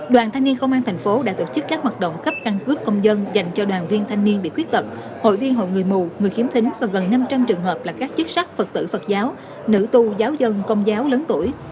đoàn thanh niên công an thành phố đã tổ chức các hoạt động cấp căn cước công dân dành cho đoàn viên thanh niên bị khuyết tật hội viên hội người mù người khiếm thính và gần năm trăm linh trường hợp là các chức sắc phật tử phật giáo nữ tu giáo dân công giáo lớn tuổi